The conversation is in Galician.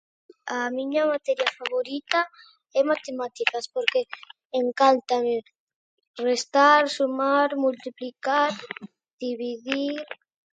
A miña materia favorita é matemáticas porque encántame restar, sumar, multiplicar, dividir.